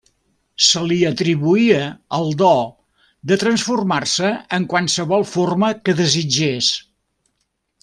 Se li atribuïa el do de transformar-se en qualsevol forma que desitgés.